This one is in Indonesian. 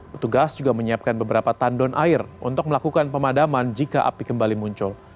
petugas juga menyiapkan beberapa tandon air untuk melakukan pemadaman jika api kembali muncul